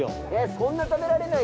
そんな食べられない。